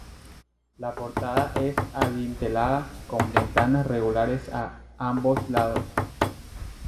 La portada es adintelada, con ventanas rectangulares a ambos lados.